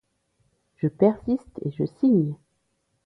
je persiste et je signe.